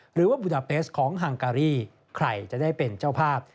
หรือว่าบุดาเปสของฮังการีใครจะได้เป็นเจ้าภาพ